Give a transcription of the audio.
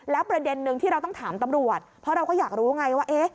แล้วประเด็นนึงที่เราต้องถามตำรวจเพราะเราก็อยากรู้ไงว่า